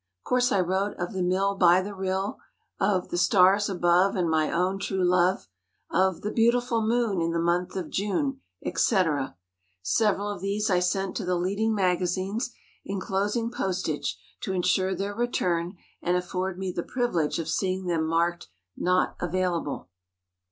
Of course I wrote of "the mill by the rill;" of "the stars above and my own true love;" of "the beautiful moon in the month of June," etc. Several of these I sent to the leading (?) magazines, enclosing postage to insure their return and afford me the privilege of seeing them marked: "Not available."